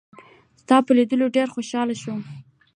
ستا په لیدو ډېر خوشاله شوم.